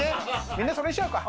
みんなそれにしちゃうか！